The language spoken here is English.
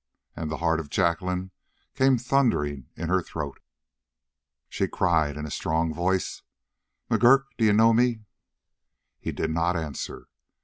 And the heart of Jacqueline came thundering in her throat. But she cried in a strong voice: "McGurk, d'you know me?" He did not answer.